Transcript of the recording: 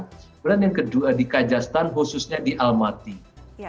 kemudian yang kedua di kajastan khususnya di almaty